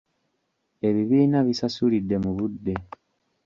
Ebibiina bisasulidde mu budde.